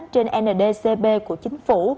trên ndcp của chính phủ